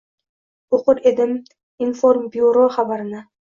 O’qir edim informbyuro xabarini.